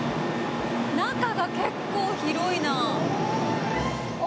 中が結構広いなあ。